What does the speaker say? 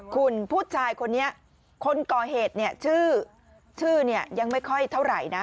คุณผู้ชายคนนี้คนก่อเหตุชื่อยังไม่ค่อยเท่าไหร่นะ